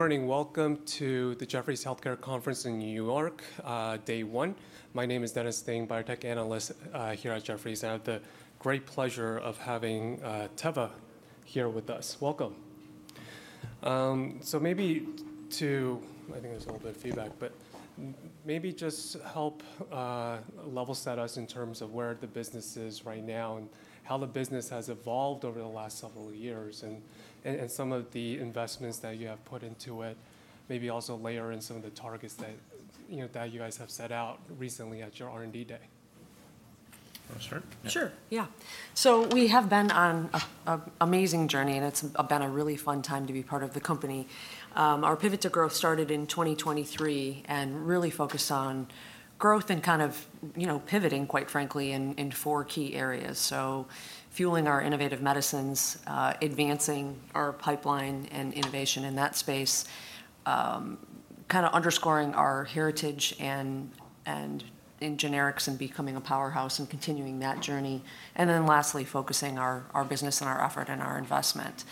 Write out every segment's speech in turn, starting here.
Morning. Welcome to the Jefferies Healthcare Conference in New York, day one. My name is Dennis Thain, biotech analyst here at Jefferies. I have the great pleasure of having Teva here with us. Welcome. Maybe to, I think there's a little bit of feedback, but maybe just help level set us in terms of where the business is right now and how the business has evolved over the last several years and some of the investments that you have put into it. Maybe also layer in some of the targets that you guys have set out recently at your R&D day. I'll start? Sure. Yeah. We have been on an amazing journey, and it's been a really fun time to be part of the company. Our pivot to growth started in 2023 and really focused on growth and kind of pivoting, quite frankly, in four key areas. Fueling our innovative medicines, advancing our pipeline and innovation in that space, kind of underscoring our heritage in generics and becoming a powerhouse and continuing that journey. Lastly, focusing our business and our effort and our investment.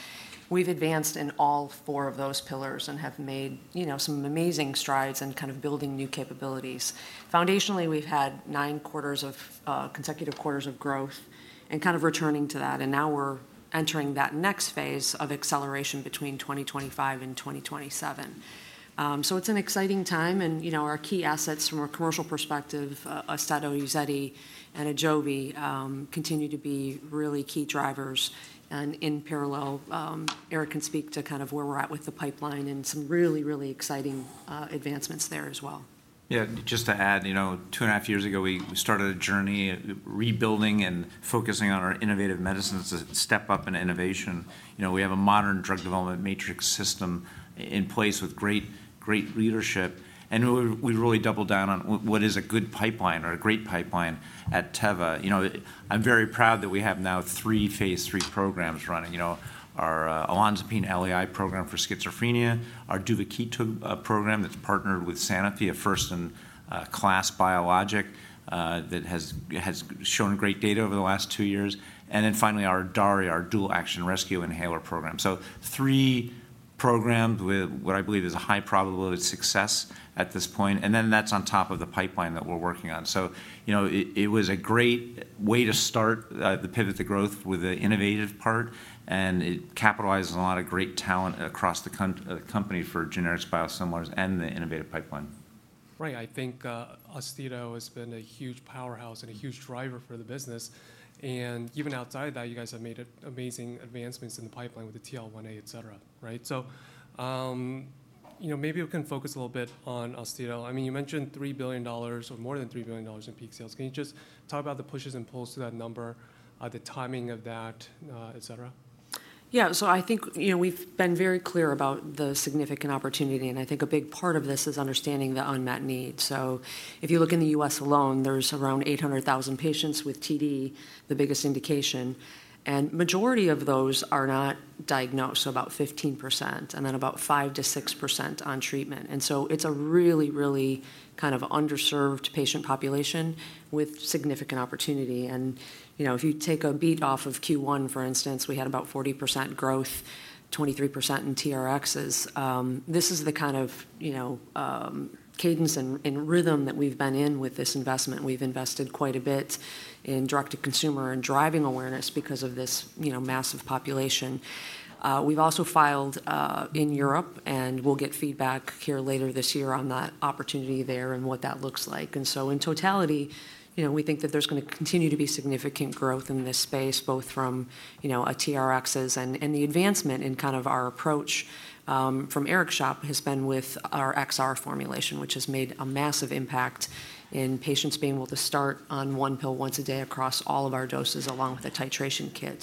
We've advanced in all four of those pillars and have made some amazing strides in kind of building new capabilities. Foundationally, we've had nine consecutive quarters of growth and kind of returning to that. Now we're entering that next phase of acceleration between 2025-2027. It's an exciting time. Our key assets from a commercial perspective, Austedo and AJOVY, continue to be really key drivers. In parallel, Eric can speak to kind of where we're at with the pipeline and some really, really exciting advancements there as well. Yeah. Just to add, two and a half years ago, we started a journey rebuilding and focusing on our innovative medicines to step up in innovation. We have a modern drug development matrix system in place with great leadership. We really doubled down on what is a good pipeline or a great pipeline at Teva. I'm very proud that we have now three phase 3 programs running. Our olanzapine LEI program for schizophrenia, our Duvakitug program that's partnered with Sanofi, a first-in-class biologic that has shown great data over the last two years. Finally, our DARE, our dual action rescue inhaler program. Three programs with what I believe is a high probability of success at this point. That's on top of the pipeline that we're working on. It was a great way to start the pivot to growth with the innovative part. It capitalized on a lot of great talent across the company for generics, biosimilars, and the innovative pipeline. Right. I think Ozethro has been a huge powerhouse and a huge driver for the business. Even outside of that, you guys have made amazing advancements in the pipeline with the TL1A, et cetera. Right? Maybe we can focus a little bit on Ozethro. I mean, you mentioned $3 billion or more than $3 billion in peak sales. Can you just talk about the pushes and pulls to that number, the timing of that, et cetera? Yeah. I think we've been very clear about the significant opportunity. I think a big part of this is understanding the unmet need. If you look in the U.S. alone, there's around 800,000 patients with TD, the biggest indication. The majority of those are not diagnosed, so about 15%, and then about 5%-6% on treatment. It's a really, really kind of underserved patient population with significant opportunity. If you take a beat off of Q1, for instance, we had about 40% growth, 23% in TRXs. This is the kind of cadence and rhythm that we've been in with this investment. We've invested quite a bit in direct-to-consumer and driving awareness because of this massive population. We've also filed in Europe, and we'll get feedback here later this year on that opportunity there and what that looks like. In totality, we think that there's going to continue to be significant growth in this space, both from TRXs and the advancement in kind of our approach. From Eric Hughes has been with our XR formulation, which has made a massive impact in patients being able to start on one pill once a day across all of our doses along with a titration kit.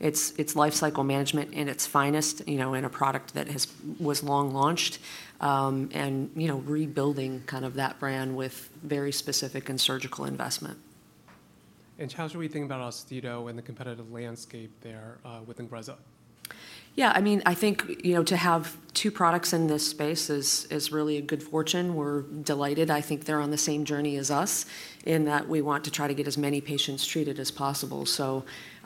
It is lifecycle management in its finest in a product that was long launched and rebuilding kind of that brand with very specific and surgical investment. How should we think about Austedo and the competitive landscape there within Ingrezza? Yeah. I mean, I think to have two products in this space is really a good fortune. We're delighted. I think they're on the same journey as us in that we want to try to get as many patients treated as possible.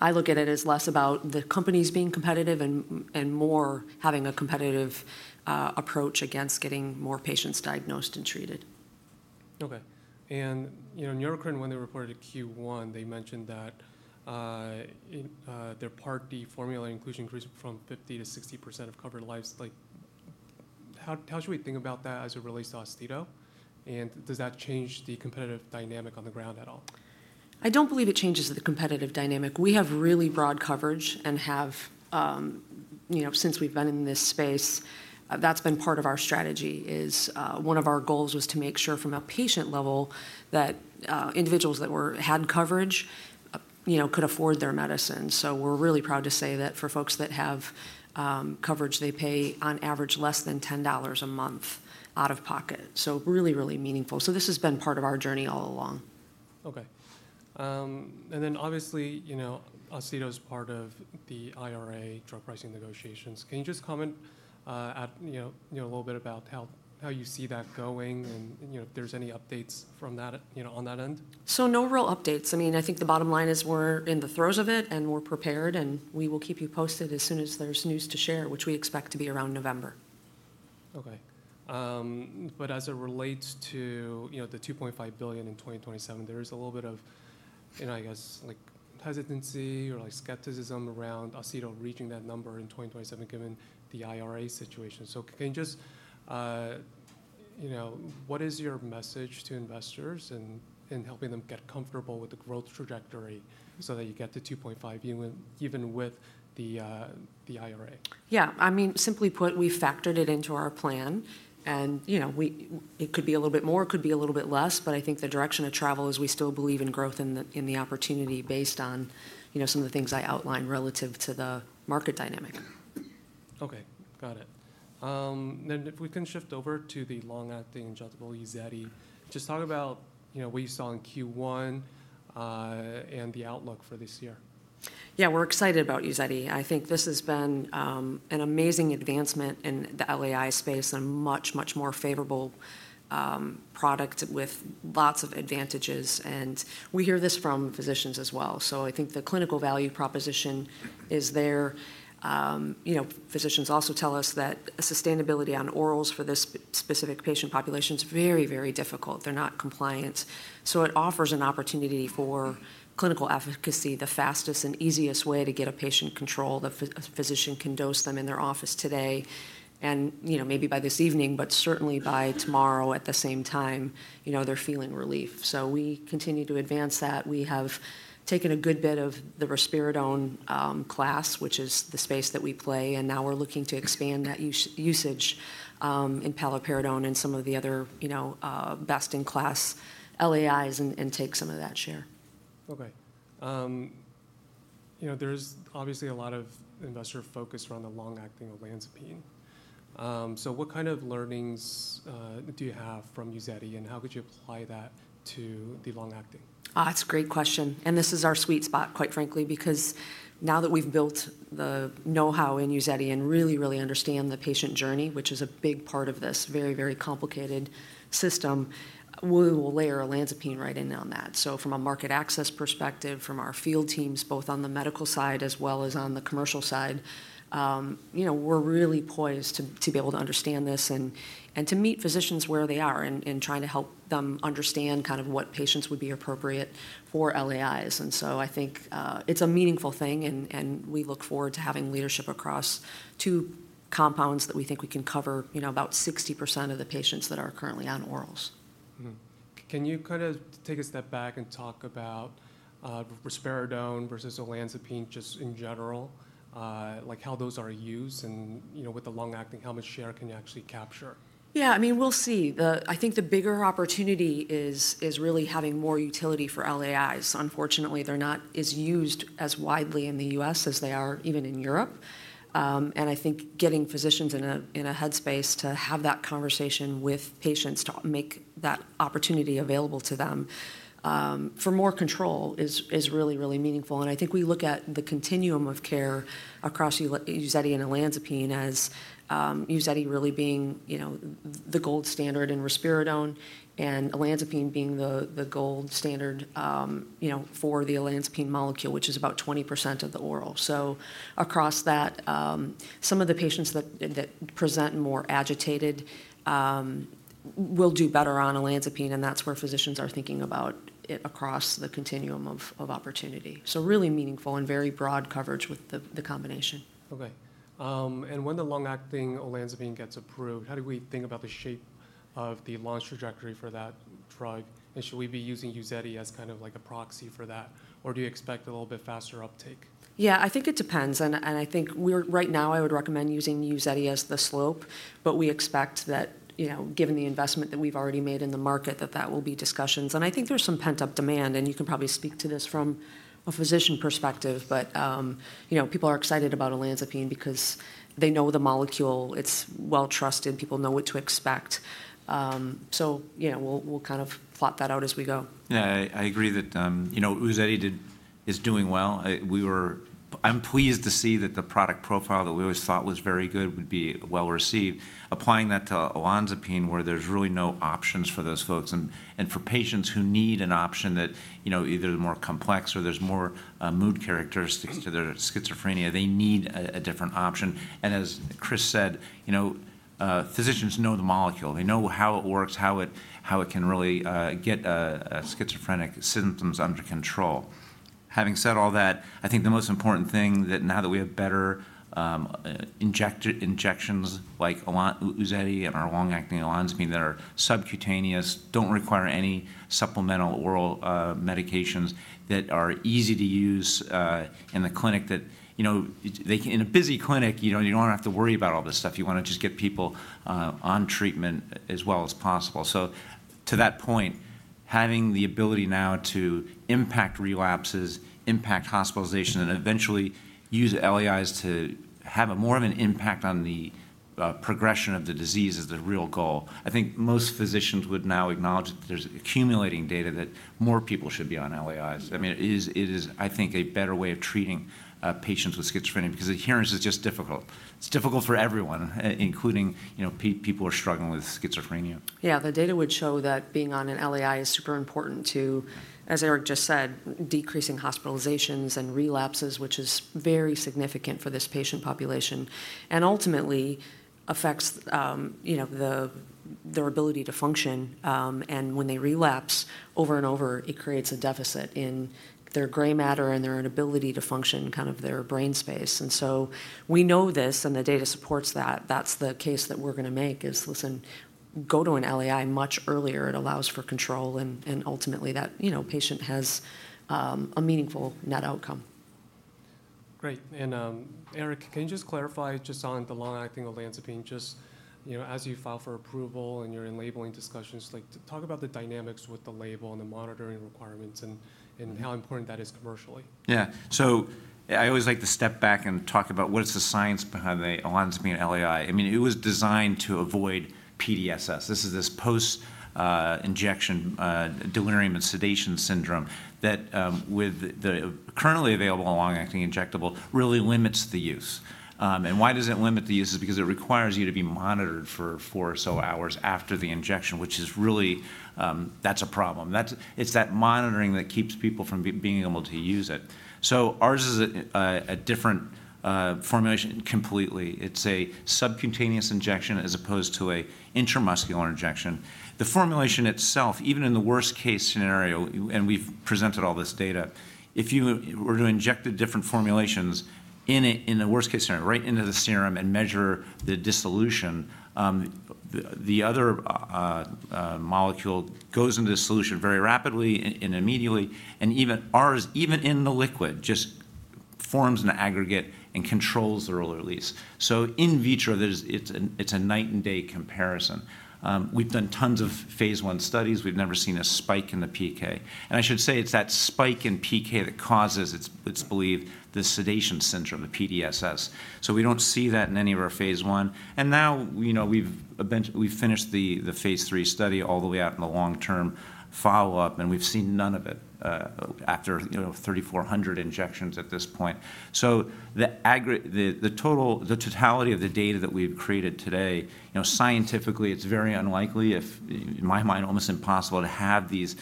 I look at it as less about the companies being competitive and more having a competitive approach against getting more patients diagnosed and treated. Okay. Neurocrine, when they reported at Q1, they mentioned that their Part D formulary inclusion increased from 50% to 60% of covered lives. How should we think about that as it relates to Austedo? Does that change the competitive dynamic on the ground at all? I don't believe it changes the competitive dynamic. We have really broad coverage. Since we've been in this space, that's been part of our strategy. One of our goals was to make sure from a patient level that individuals that had coverage could afford their medicine. We're really proud to say that for folks that have coverage, they pay on average less than $10 a month out of pocket. Really, really meaningful. This has been part of our journey all along. Okay. Obviously, Austedo is part of the IRA drug pricing negotiations. Can you just comment a little bit about how you see that going and if there's any updates from that on that end? No real updates. I mean, I think the bottom line is we're in the throes of it and we're prepared. We will keep you posted as soon as there's news to share, which we expect to be around November. Okay. As it relates to the $2.5 billion in 2027, there is a little bit of, I guess, hesitancy or skepticism around Austedo reaching that number in 2027 given the IRA situation. Can you just, what is your message to investors in helping them get comfortable with the growth trajectory so that you get to $2.5 billion even with the IRA? Yeah. I mean, simply put, we've factored it into our plan. It could be a little bit more, it could be a little bit less. I think the direction of travel is we still believe in growth and the opportunity based on some of the things I outlined relative to the market dynamic. Okay. Got it. If we can shift over to the long-acting drug, the long-acting olanzapine, just talk about what you saw in Q1 and the outlook for this year. Yeah. We're excited about long-acting olanzapine. I think this has been an amazing advancement in the LEI space and a much, much more favorable product with lots of advantages. We hear this from physicians as well. I think the clinical value proposition is there. Physicians also tell us that sustainability on orals for this specific patient population is very, very difficult. They're not compliant. It offers an opportunity for clinical efficacy, the fastest and easiest way to get a patient controlled. A physician can dose them in their office today and maybe by this evening, but certainly by tomorrow at the same time, they're feeling relief. We continue to advance that. We have taken a good bit of the risperidone class, which is the space that we play. We're looking to expand that usage in paliperidone and some of the other best-in-class LEIs and take some of that share. Okay. There's obviously a lot of investor focus around the long-acting olanzapine. What kind of learnings do you have from Ozethro? How could you apply that to the long-acting? That's a great question. This is our sweet spot, quite frankly, because now that we've built the know-how in Austedo and really, really understand the patient journey, which is a big part of this very, very complicated system, we will layer olanzapine right in on that. From a market access perspective, from our field teams, both on the medical side as well as on the commercial side, we're really poised to be able to understand this and to meet physicians where they are and trying to help them understand kind of what patients would be appropriate for LEIs. I think it's a meaningful thing. We look forward to having leadership across two compounds that we think we can cover about 60% of the patients that are currently on orals. Can you kind of take a step back and talk about risperidone versus olanzapine just in general, like how those are used and with the long-acting, how much share can you actually capture? Yeah. I mean, we'll see. I think the bigger opportunity is really having more utility for LEIs. Unfortunately, they're not as used as widely in the U.S. as they are even in Europe. I think getting physicians in a headspace to have that conversation with patients to make that opportunity available to them for more control is really, really meaningful. I think we look at the continuum of care across UZEDY and olanzapine as UZEDY really being the gold standard in risperidone and olanzapine being the gold standard for the olanzapine molecule, which is about 20% of the oral. Across that, some of the patients that present more agitated will do better on olanzapine. That's where physicians are thinking about it across the continuum of opportunity. Really meaningful and very broad coverage with the combination. Okay. When the long-acting olanzapine gets approved, how do we think about the shape of the launch trajectory for that drug? Should we be using UZEDY as kind of like a proxy for that, or do you expect a little bit faster uptake? Yeah. I think it depends. I think right now, I would recommend using olanzapine as the slope. We expect that given the investment that we've already made in the market, that that will be discussions. I think there's some pent-up demand. You can probably speak to this from a physician perspective. People are excited about olanzapine because they know the molecule. It's well-trusted. People know what to expect. We'll kind of plot that out as we go. Yeah. I agree that Austedo is doing well. I'm pleased to see that the product profile that we always thought was very good would be well received. Applying that to olanzapine, where there's really no options for those folks and for patients who need an option that either is more complex or there's more mood characteristics to their schizophrenia, they need a different option. As Chris said, physicians know the molecule. They know how it works, how it can really get schizophrenic symptoms under control. Having said all that, I think the most important thing is that now that we have better injections like Austedo and our long-acting olanzapine that are subcutaneous, don't require any supplemental oral medications, that are easy to use in the clinic, that in a busy clinic, you don't have to worry about all this stuff. You want to just get people on treatment as well as possible. To that point, having the ability now to impact relapses, impact hospitalization, and eventually use LEIs to have more of an impact on the progression of the disease is the real goal. I think most physicians would now acknowledge that there's accumulating data that more people should be on LEIs. I mean, it is, I think, a better way of treating patients with schizophrenia because adherence is just difficult. It's difficult for everyone, including people who are struggling with schizophrenia. Yeah. The data would show that being on an LEI is super important to, as Eric just said, decreasing hospitalizations and relapses, which is very significant for this patient population and ultimately affects their ability to function. When they relapse over and over, it creates a deficit in their gray matter and their ability to function, kind of their brain space. We know this and the data supports that. That's the case that we're going to make is, listen, go to an LEI much earlier. It allows for control. Ultimately, that patient has a meaningful net outcome. Great. Eric, can you just clarify just on the long-acting olanzapine? Just as you file for approval and you're in labeling discussions, talk about the dynamics with the label and the monitoring requirements and how important that is commercially. Yeah. I always like to step back and talk about what is the science behind the olanzapine LEI. I mean, it was designed to avoid PDSS. This is this post-injection delirium and sedation syndrome that, with the currently available long-acting injectable, really limits the use. Why does it limit the use? It's because it requires you to be monitored for four or so hours after the injection, which is really, that's a problem. It's that monitoring that keeps people from being able to use it. Ours is a different formulation completely. It's a subcutaneous injection as opposed to an intramuscular injection. The formulation itself, even in the worst-case scenario, and we've presented all this data, if you were to inject the different formulations in the worst-case scenario, right into the serum and measure the dissolution, the other molecule goes into the solution very rapidly and immediately. Even ours, even in the liquid, just forms an aggregate and controls the early release. In vitro, it's a night-and-day comparison. We've done tons of phase one studies. We've never seen a spike in the PK. I should say it's that spike in PK that causes, it's believed, the sedation syndrome, the PDSS. We don't see that in any of our phase one. We have finished the phase three study all the way out in the long-term follow-up. We've seen none of it after 3,400 injections at this point. The totality of the data that we've created today, scientifically, it's very unlikely, in my mind, almost impossible to have these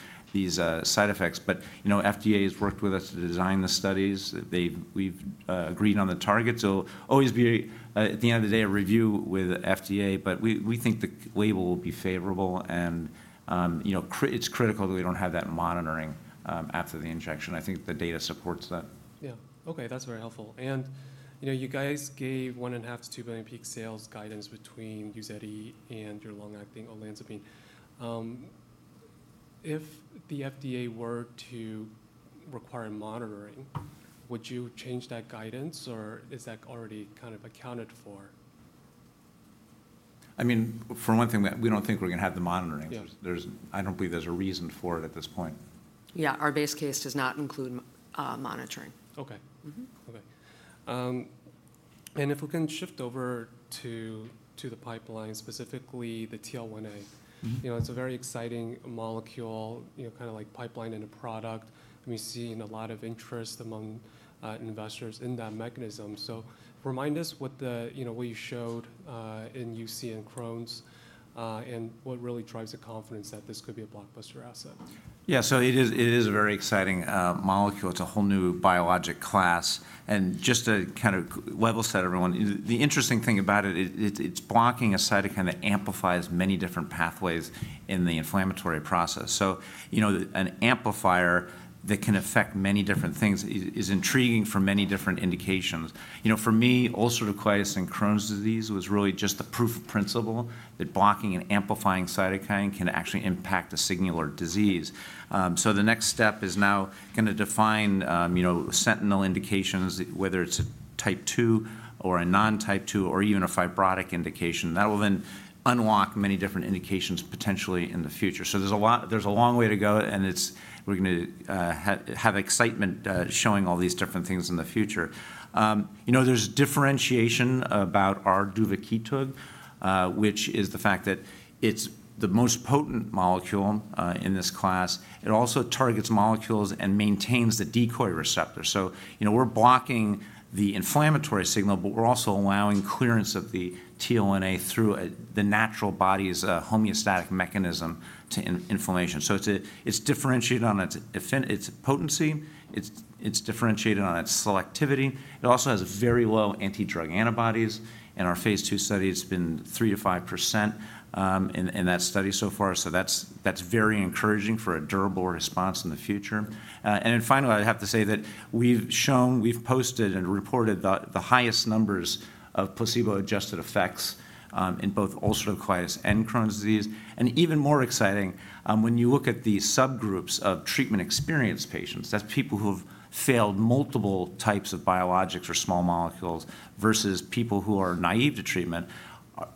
side effects. FDA has worked with us to design the studies. We've agreed on the targets. There will always be, at the end of the day, a review with FDA. We think the label will be favorable. It is critical that we do not have that monitoring after the injection. I think the data supports that. Yeah. Okay. That's very helpful. You guys gave $1.5 billion-$2 billion peak sales guidance between Ozethro and your long-acting olanzapine. If the FDA were to require monitoring, would you change that guidance? Or is that already kind of accounted for? I mean, for one thing, we don't think we're going to have the monitoring. I don't believe there's a reason for it at this point. Yeah. Our base case does not include monitoring. Okay. Okay. If we can shift over to the pipeline, specifically the TL1A, it's a very exciting molecule, kind of like pipeline and a product. We see a lot of interest among investors in that mechanism. Remind us what you showed in UC and Crohn's and what really drives the confidence that this could be a blockbuster asset. Yeah. It is a very exciting molecule. It's a whole new biologic class. Just to kind of level set everyone, the interesting thing about it, it's blocking a site to kind of amplify as many different pathways in the inflammatory process. An amplifier that can affect many different things is intriguing for many different indications. For me, ulcerative colitis and Crohn's disease was really just the proof of principle that blocking and amplifying cytokine can actually impact a singular disease. The next step is now going to define sentinel indications, whether it's a type 2 or a non-type 2 or even a fibrotic indication. That will then unlock many different indications potentially in the future. There is a long way to go. We're going to have excitement showing all these different things in the future. There's differentiation about our Duvakitug, which is the fact that it's the most potent molecule in this class. It also targets molecules and maintains the decoy receptor. We're blocking the inflammatory signal, but we're also allowing clearance of the TL1A through the natural body's homeostatic mechanism to inflammation. It's differentiated on its potency. It's differentiated on its selectivity. It also has very low antidrug antibodies. In our phase two study, it's been 3%-5% in that study so far. That's very encouraging for a durable response in the future. Finally, I'd have to say that we've shown, we've posted and reported the highest numbers of placebo-adjusted effects in both ulcerative colitis and Crohn's disease. Even more exciting, when you look at the subgroups of treatment-experienced patients, that's people who have failed multiple types of biologics or small molecules versus people who are naive to treatment,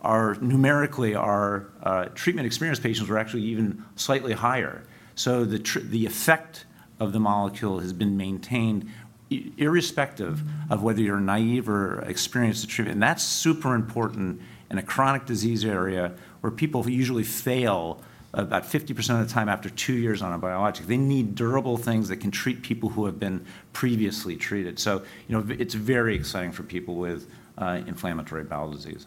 numerically, our treatment-experienced patients were actually even slightly higher. The effect of the molecule has been maintained irrespective of whether you're naive or experienced the treatment. That's super important in a chronic disease area where people usually fail about 50% of the time after two years on a biologic. They need durable things that can treat people who have been previously treated. It's very exciting for people with inflammatory bowel disease.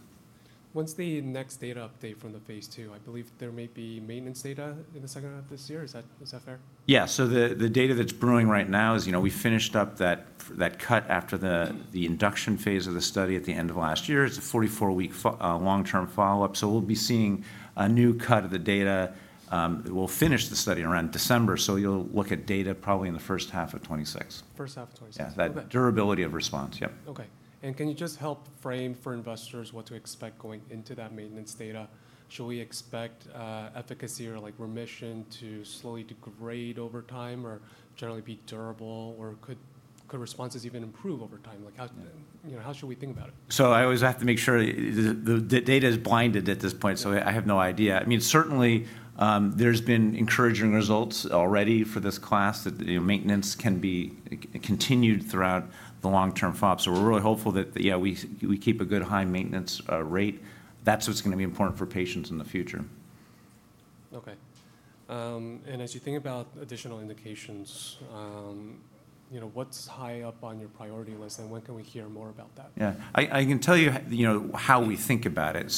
What's the next data update from the phase two? I believe there may be maintenance data in the second half of this year. Is that fair? Yeah. So the data that's brewing right now is we finished up that cut after the induction phase of the study at the end of last year. It's a 44-week long-term follow-up. We'll be seeing a new cut of the data. We'll finish the study around December. You'll look at data probably in the first half of 2026. First half of 2026. Yeah. That durability of response. Yep. Okay. Can you just help frame for investors what to expect going into that maintenance data? Should we expect efficacy or remission to slowly degrade over time or generally be durable? Could responses even improve over time? How should we think about it? I always have to make sure the data is blinded at this point. I have no idea. I mean, certainly, there's been encouraging results already for this class that maintenance can be continued throughout the long-term follow-up. We're really hopeful that, yeah, we keep a good high maintenance rate. That's what's going to be important for patients in the future. Okay. As you think about additional indications, what's high up on your priority list? When can we hear more about that? Yeah. I can tell you how we think about it.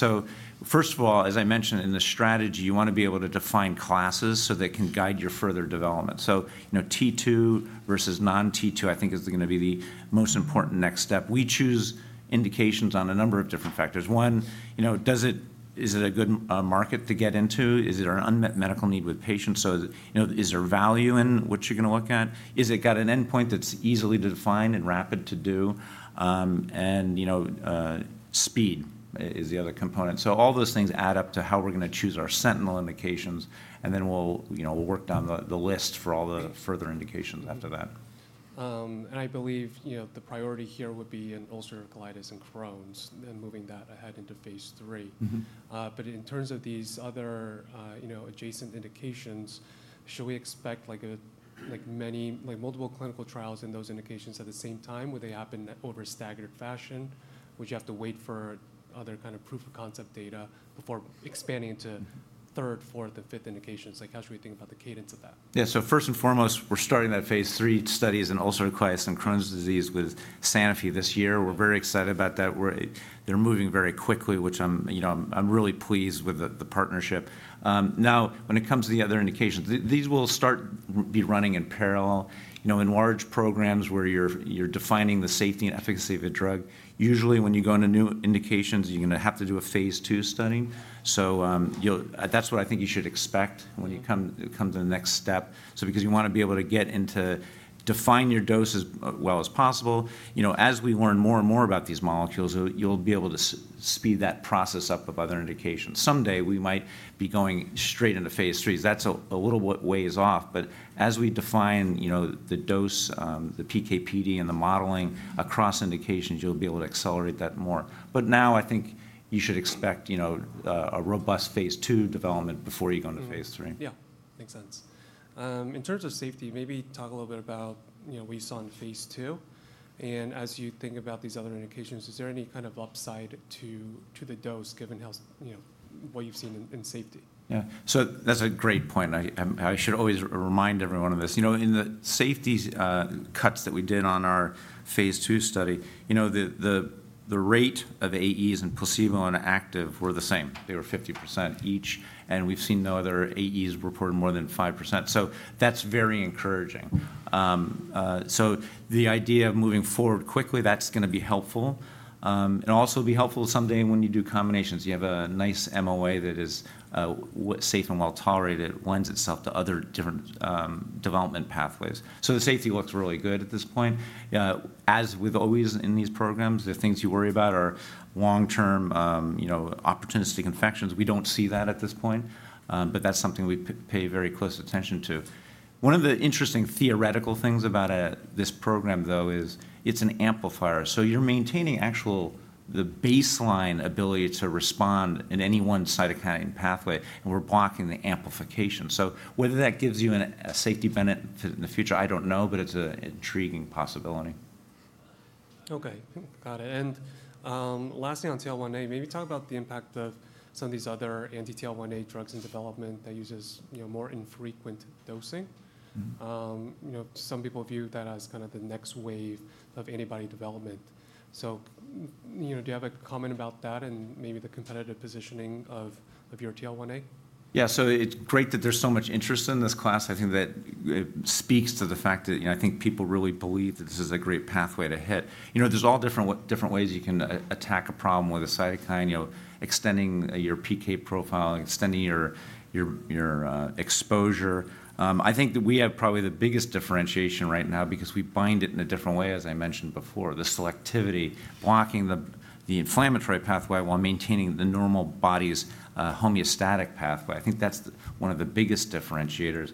First of all, as I mentioned in the strategy, you want to be able to define classes so they can guide your further development. T2 versus non-T2, I think, is going to be the most important next step. We choose indications on a number of different factors. One, is it a good market to get into? Is there an unmet medical need with patients? Is there value in what you're going to look at? Is it got an endpoint that's easily defined and rapid to do? Speed is the other component. All those things add up to how we're going to choose our sentinel indications. Then we'll work down the list for all the further indications after that. I believe the priority here would be in ulcerative colitis and Crohn's and moving that ahead into phase three. In terms of these other adjacent indications, should we expect multiple clinical trials in those indications at the same time? Would they happen in over-staggered fashion? Would you have to wait for other kind of proof of concept data before expanding into third, fourth, and fifth indications? How should we think about the cadence of that? Yeah. First and foremost, we're starting that phase three studies in ulcerative colitis and Crohn's disease with Sanofi this year. We're very excited about that. They're moving very quickly, which I'm really pleased with the partnership. Now, when it comes to the other indications, these will start to be running in parallel. In large programs where you're defining the safety and efficacy of a drug, usually when you go into new indications, you're going to have to do a phase two study. That's what I think you should expect when you come to the next step. Because you want to be able to define your dose as well as possible, as we learn more and more about these molecules, you'll be able to speed that process up of other indications. Someday, we might be going straight into phase three. That's a little bit ways off. As we define the dose, the PK/PD, and the modeling across indications, you'll be able to accelerate that more. Now, I think you should expect a robust phase two development before you go into phase three. Yeah. Makes sense. In terms of safety, maybe talk a little bit about what you saw in phase two. As you think about these other indications, is there any kind of upside to the dose given what you've seen in safety? Yeah. That's a great point. I should always remind everyone of this. In the safety cuts that we did on our phase two study, the rate of AEs in placebo and active were the same. They were 50% each. We've seen no other AEs reported more than 5%. That's very encouraging. The idea of moving forward quickly, that's going to be helpful. It'll also be helpful someday when you do combinations. You have a nice MOA that is safe and well tolerated, lends itself to other different development pathways. The safety looks really good at this point. As with always in these programs, the things you worry about are long-term opportunistic infections. We don't see that at this point. That's something we pay very close attention to. One of the interesting theoretical things about this program, though, is it's an amplifier. You're maintaining actual the baseline ability to respond in any one cytokine pathway. We're blocking the amplification. Whether that gives you a safety benefit in the future, I don't know. It's an intriguing possibility. Okay. Got it. Lastly, on TL1A, maybe talk about the impact of some of these other anti-TL1A drugs in development that use more infrequent dosing. Some people view that as kind of the next wave of antibody development. Do you have a comment about that and maybe the competitive positioning of your TL1A? Yeah. So it's great that there's so much interest in this class. I think that speaks to the fact that I think people really believe that this is a great pathway to hit. There's all different ways you can attack a problem with a cytokine, extending your PK profile, extending your exposure. I think that we have probably the biggest differentiation right now because we bind it in a different way, as I mentioned before, the selectivity, blocking the inflammatory pathway while maintaining the normal body's homeostatic pathway. I think that's one of the biggest differentiators.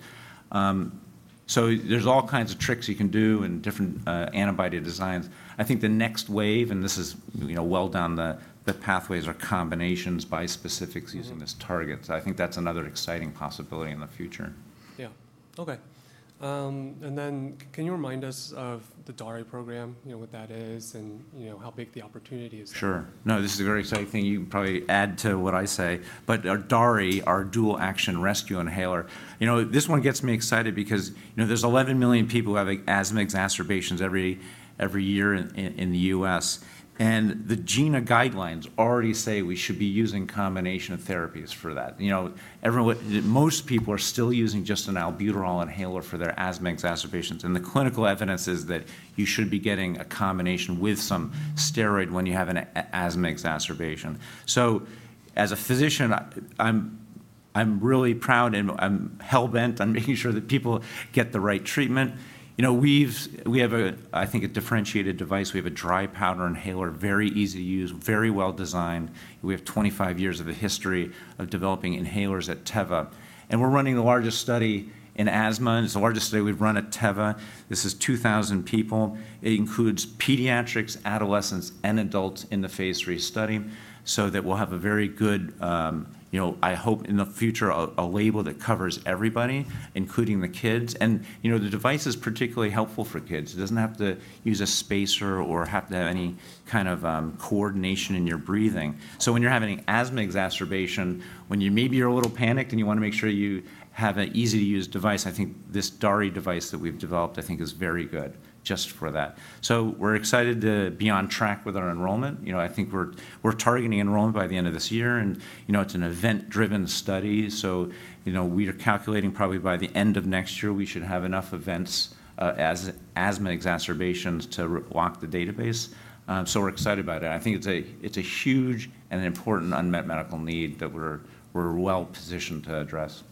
There's all kinds of tricks you can do and different antibody designs. I think the next wave, and this is well down the pathways, are combinations, bispecifics using this target. I think that's another exciting possibility in the future. Yeah. Okay. Can you remind us of the DARE program, what that is, and how big the opportunity is? Sure. No, this is a very exciting thing. You can probably add to what I say. Our DARE, our dual-action rescue inhaler, this one gets me excited because there are 11 million people who have asthma exacerbations every year in the US. The GINA guidelines already say we should be using combination therapies for that. Most people are still using just an albuterol inhaler for their asthma exacerbations. The clinical evidence is that you should be getting a combination with some steroid when you have an asthma exacerbation. As a physician, I'm really proud and hell-bent on making sure that people get the right treatment. We have, I think, a differentiated device. We have a dry powder inhaler, very easy to use, very well designed. We have 25 years of a history of developing inhalers at Teva. We are running the largest study in asthma. It's the largest study we've run at Teva. This is 2,000 people. It includes pediatrics, adolescents, and adults in the phase three study. That way we'll have a very good, I hope, in the future, a label that covers everybody, including the kids. The device is particularly helpful for kids. It doesn't have to use a spacer or have to have any kind of coordination in your breathing. When you're having an asthma exacerbation, when you maybe are a little panicked and you want to make sure you have an easy-to-use device, I think this DARE device that we've developed, I think, is very good just for that. We're excited to be on track with our enrollment. I think we're targeting enrollment by the end of this year. It's an event-driven study. We are calculating probably by the end of next year, we should have enough events as asthma exacerbations to lock the database. We are excited about it. I think it is a huge and important unmet medical need that we are well positioned to address.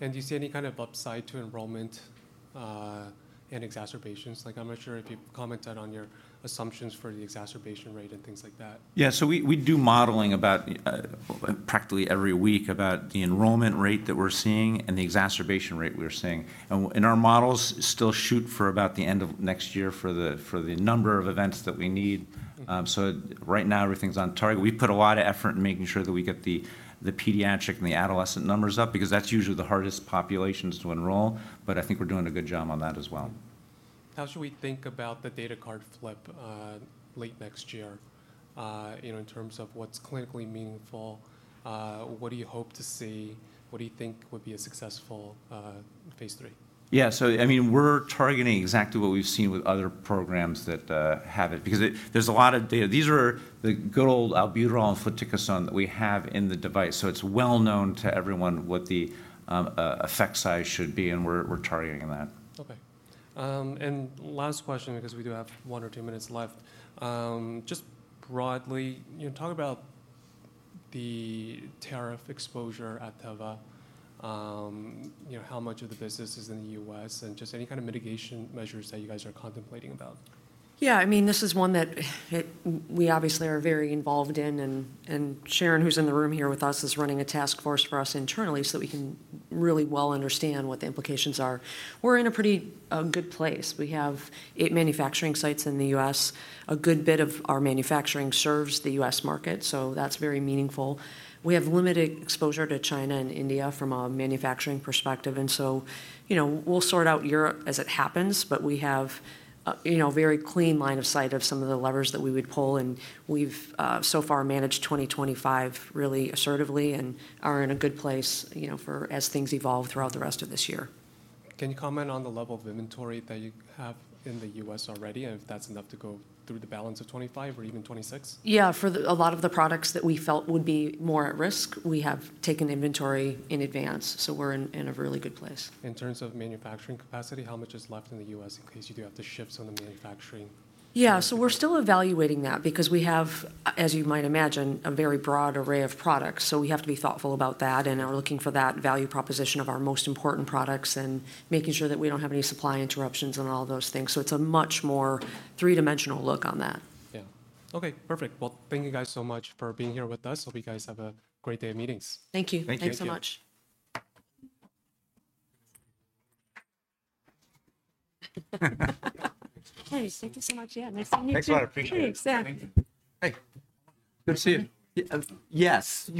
Do you see any kind of upside to enrollment and exacerbations? I'm not sure if you commented on your assumptions for the exacerbation rate and things like that. Yeah. We do modeling practically every week about the enrollment rate that we're seeing and the exacerbation rate we're seeing. Our models still shoot for about the end of next year for the number of events that we need. Right now, everything's on target. We put a lot of effort in making sure that we get the pediatric and the adolescent numbers up because that's usually the hardest populations to enroll. I think we're doing a good job on that as well. How should we think about the data card flip late next year in terms of what's clinically meaningful? What do you hope to see? What do you think would be a successful phase three? Yeah. I mean, we're targeting exactly what we've seen with other programs that have it because there's a lot of data. These are the good old albuterol and fluticasone that we have in the device. It is well known to everyone what the effect size should be. We're targeting that. Okay. Last question because we do have one or two minutes left. Just broadly, talk about the tariff exposure at Teva, how much of the business is in the U.S., and just any kind of mitigation measures that you guys are contemplating about. Yeah. I mean, this is one that we obviously are very involved in. And Sharon, who's in the room here with us, is running a task force for us internally so that we can really well understand what the implications are. We're in a pretty good place. We have eight manufacturing sites in the U.S. A good bit of our manufacturing serves the U.S. market. That is very meaningful. We have limited exposure to China and India from a manufacturing perspective. We will sort out Europe as it happens. We have a very clean line of sight of some of the levers that we would pull. We have so far managed 2025 really assertively and are in a good place as things evolve throughout the rest of this year. Can you comment on the level of inventory that you have in the U.S. already and if that's enough to go through the balance of 2025 or even 2026? Yeah. For a lot of the products that we felt would be more at risk, we have taken inventory in advance. So we're in a really good place. In terms of manufacturing capacity, how much is left in the US in case you do have to shift some of the manufacturing? Yeah. We are still evaluating that because we have, as you might imagine, a very broad array of products. We have to be thoughtful about that and are looking for that value proposition of our most important products and making sure that we do not have any supply interruptions and all those things. It is a much more three-dimensional look on that. Yeah. Okay. Perfect. Thank you guys so much for being here with us. Hope you guys have a great day of meetings. Thank you. Thank you so much. Hey. Thank you so much. Yeah. Nice to meet you. Thanks a lot. Appreciate it. Thanks. Hey. Good to see you. Yes. You.